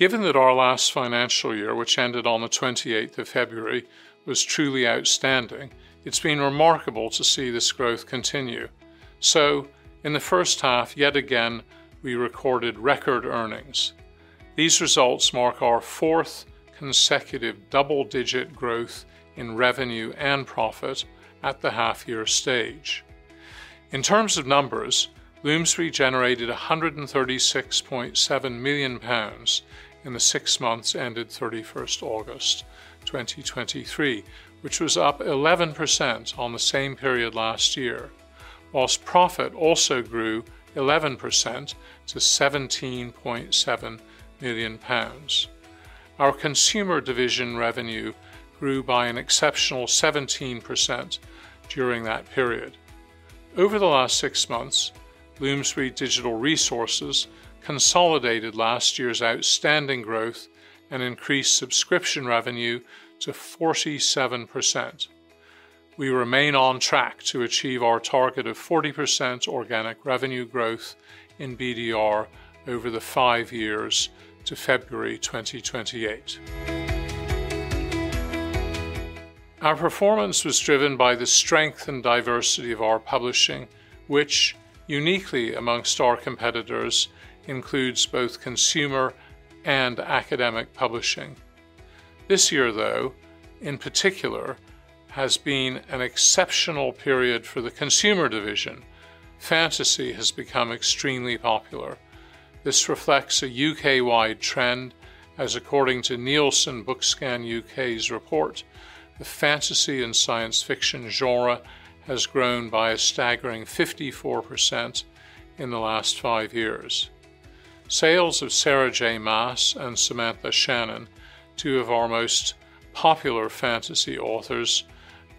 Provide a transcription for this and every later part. Given that our last financial year, which ended on the 28th of February, was truly outstanding, it's been remarkable to see this growth continue. So in the first half, yet again, we recorded record earnings. These results mark our fourth consecutive double-digit growth in revenue and profit at the half-year stage. In terms of numbers, Bloomsbury generated 136.7 million pounds in the six months ended 31st August 2023, which was up 11% on the same period last year, while profit also grew 11% to 17.7 million pounds. Our Consumer Division revenue grew by an exceptional 17% during that period. Over the last six months, Bloomsbury Digital Resources consolidated last year's outstanding growth and increased subscription revenue to 47%. We remain on track to achieve our target of 40% organic revenue growth in BDR over the five years to February 2028. Our performance was driven by the strength and diversity of our publishing, which, uniquely among our competitors, includes both consumer and academic publishing. This year, though, in particular, has been an exceptional period for the Consumer Division. Fantasy has become extremely popular. This reflects a U.K.-wide trend, as according to Nielsen BookScan U.K.'s report, the fantasy and science fiction genre has grown by a staggering 54% in the last five years. Sales of Sarah J. Maas and Samantha Shannon, two of our most popular fantasy authors,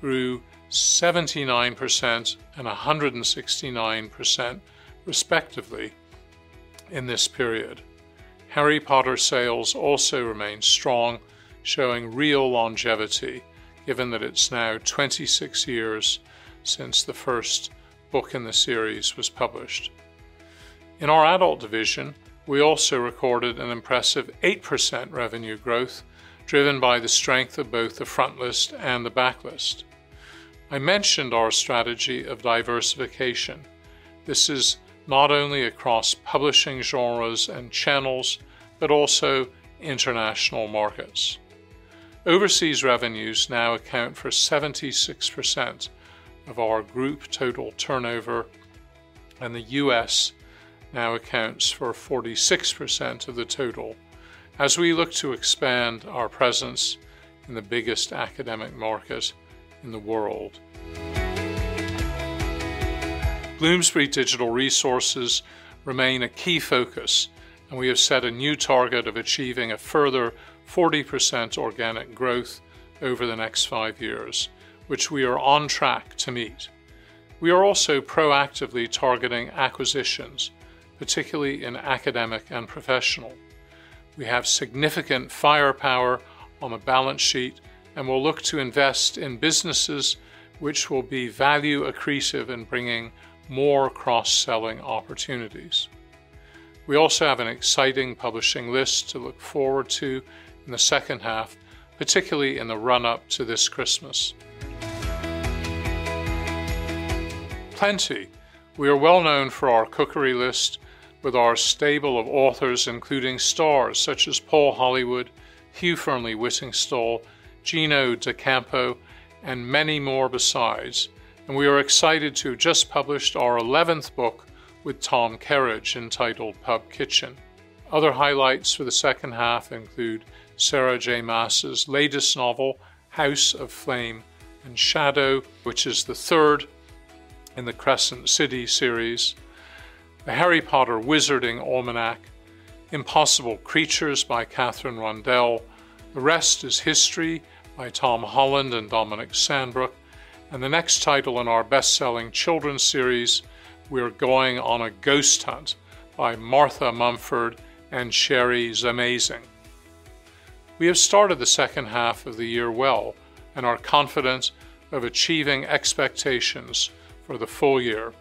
grew 79% and 169%, respectively, in this period. Harry Potter sales also remain strong, showing real longevity, given that it's now 26 years since the first book in the series was published. In our Adult division, we also recorded an impressive 8% revenue growth, driven by the strength of both the frontlist and the backlist. I mentioned our strategy of diversification. This is not only across publishing genres and channels, but also international markets. Overseas revenues now account for 76% of our group's total turnover, and the U.S. now accounts for 46% of the total as we look to expand our presence in the biggest academic market in the world. Bloomsbury Digital Resources remain a key focus, and we have set a new target of achieving a further 40% organic growth over the next five years, which we are on track to meet. We are also proactively targeting acquisitions, particularly in academic and professional. We have significant firepower on the balance sheet and will look to invest in businesses which will be value accretive in bringing more cross-selling opportunities. We also have an exciting publishing list to look forward to in the second half, particularly in the run-up to this Christmas. Plenty. We are well known for our cookery list, with our stable of authors, including stars such as Paul Hollywood, Hugh Fearnley-Whittingstall, Gino D'Acampo, and many more besides. And we are excited to have just published our 11th book with Tom Kerridge, entitled Pub Kitchen. Other highlights for the second half include Sarah J. Maas's latest novel, House of Flame and Shadow, which is the third in the Crescent City series, The Harry Potter Wizarding Almanac, Impossible Creatures by Katherine Rundell, The Rest Is History by Tom Holland and Dominic Sandbrook, and the next title in our best-selling children's series, We're Going on a Ghost Hunt by Martha Mumford and Cherie Zamazing. We have started the second half of the year well and are confident of achieving expectations for the full year.